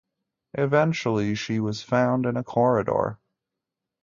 Eventually she was found in a corridor.